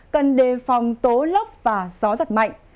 cần đề phòng tố lốc và gió giật mạnh